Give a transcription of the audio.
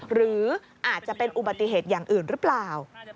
หรืออาจจะเป็นอุบัติเหตุอย่างอื่นหรือเปล่า